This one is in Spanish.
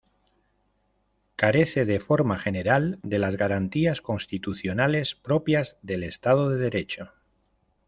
Carece, de forma general, de las garantías constitucionales propias del Estado de derecho.